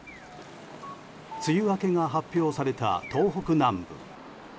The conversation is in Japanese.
梅雨明けが発表された東北南部。